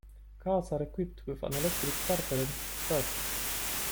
Karts are equipped with an electric starter and clutch.